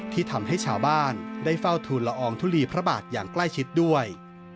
ที่ทำให้ชาวบ้านได้เฝ้าทูลละอองทุลีพระบาทอย่างใกล้ชิดด้วย